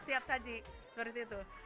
siap saji seperti itu